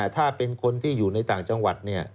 ถ้าเป็นคนที่อยู่ในต่างจังหวัด